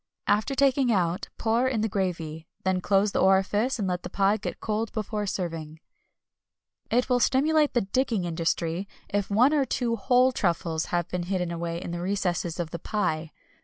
After taking out pour in the gravy, then close the orifice and let the pie get cold before serving. N.B. It will stimulate the digging industry if one or two whole truffles have been hidden away in the recesses of the pie.